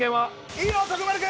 いいよ徳丸君！